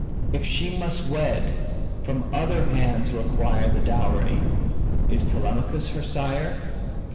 If she must wed, from other hands require The dowry: is Telemachus her sire?